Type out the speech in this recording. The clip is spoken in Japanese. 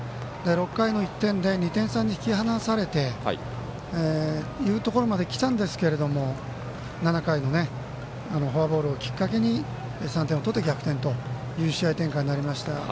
６回の１点で２点差に引き離されるというところまできたんですけども７回のフォアボールをきっかけに３点を取って逆転という試合展開になりました。